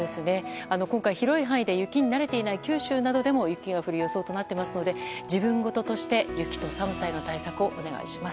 今回は広い範囲雪に慣れていない九州などでも雪が降る予想となっていますので自分事として雪と寒さへの対策をお願いします。